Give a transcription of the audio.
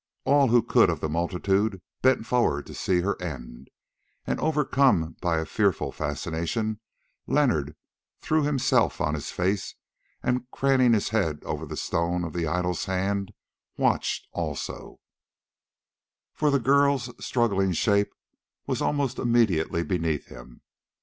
All who could of the multitude bent forward to see her end, and overcome by a fearful fascination, Leonard threw himself on his face, and, craning his head over the stone of the idol's hand, watched also, for the girl's struggling shape was almost immediately beneath him.